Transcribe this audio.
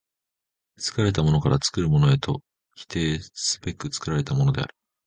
作られたものから作るものへと否定すべく作られたものである。